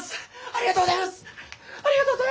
ありがとうございます！